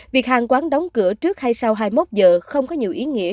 việc hàng quán đóng cửa trước hay sau hai mươi một giờ không có nhiều ý nghĩa